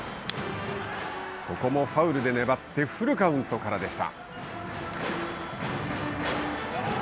ここもファウルで粘ってフルカウントからでした。